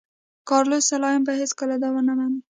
کارلوس سلایم به هېڅکله دا ونه مني.